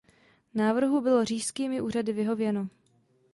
Návrhu bylo říšskými úřady vyhověno.